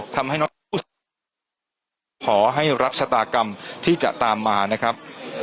ทำให้น้องขอให้รับชะตากรรมที่จะตามมานะครับ